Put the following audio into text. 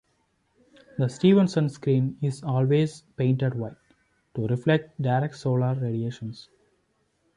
The Stevenson Screen is always painted white, to reflect direct solar radiations.